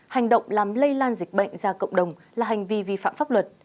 hành động làm lây lan dịch bệnh ra cộng đồng là hành vi vi phạm pháp luật